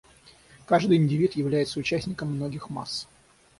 Каждый индивид является участником многих масс.